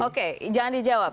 oke jangan dijawab